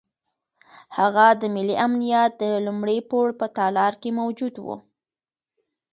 هغه د ملي امنیت د لومړي پوړ په تالار کې موجود وو.